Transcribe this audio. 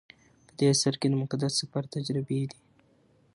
په دې اثر کې د مقدس سفر تجربې دي.